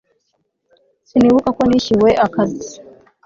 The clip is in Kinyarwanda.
sinibuka ko nishyuwe akazi